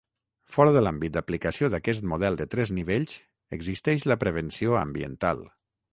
Fora de l'àmbit d'aplicació d'aquest model de tres nivells existeix la prevenció ambiental.